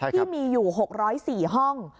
ที่มีอยู่๖๐๔ห้อง